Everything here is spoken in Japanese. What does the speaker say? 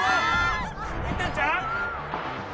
いったんちゃう？